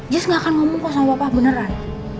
jess nggak akan ngomong kok sama bapak beneran